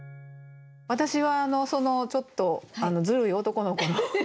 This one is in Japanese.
私はそのちょっとずるい男の子の。